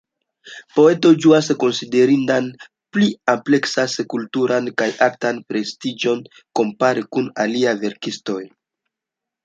Poetoj ĝuas konsiderindan pli ampleksan kulturan kaj artan prestiĝon kompare kun aliaj verkistoj.